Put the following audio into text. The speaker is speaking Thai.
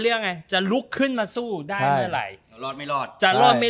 ยังไงจะลุกขึ้นมาสู้ได้เมื่อไหร่เรารอดไม่รอดจะรอดไม่